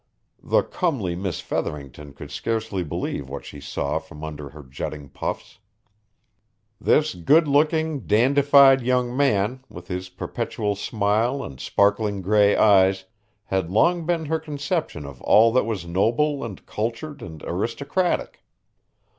The comely Miss Featherington could scarcely believe what she saw from under her jutting puffs. This good looking, dandified young man, with his perpetual smile and sparkling gray eyes had long been her conception of all that was noble and cultured and aristocratic.